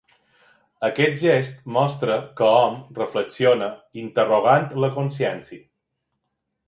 Aquest gest mostra que hom reflexiona interrogant la consciència.